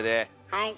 はい。